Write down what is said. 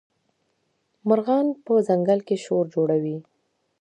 مارغان په ځنګل کي شور جوړوي.